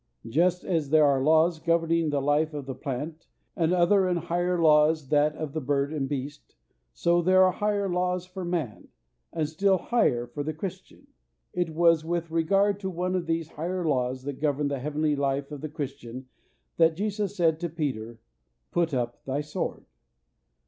Just as there are laws governing the life of the plant, and other and higher laws that of the bird and beast, so there are higher laws for man, and still higher for the Christian. It was with regard to one of these higher laws that govern the heavenly life of the Christian that Jesus said to Peter, "Put up thy sword."